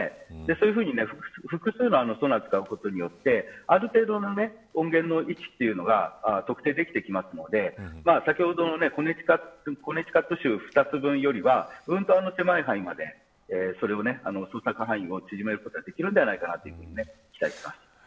そういうふうに複数のソナーを使うことによってある程度の音源の位置は特定できてきますので先ほどのコネティカット州２つ分よりはうんと狭い範囲まで捜索範囲を縮めることはできると期待してます。